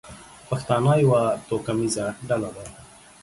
پښتانه یوه توکمیزه ډله ده.